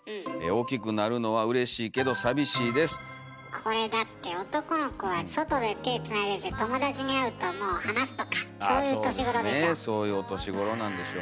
これだって男の子は外で手つないでて友達に会うともう離すとかそういう年頃でしょ。